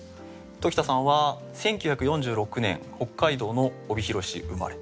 時田さんは１９４６年北海道の帯広市生まれ。